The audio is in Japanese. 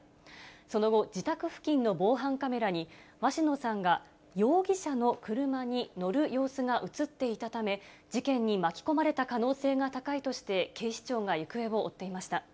その後、自宅付近の防犯カメラに、鷲野さんが容疑者の車に乗る様子が写っていたため、事件に巻き込まれた可能性が高いとして、警視庁が行方を追っていました。